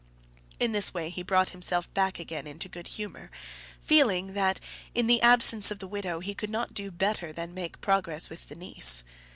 In this way he brought himself back again into good humour, feeling, that in the absence of the widow, he could not do better than make progress with the niece.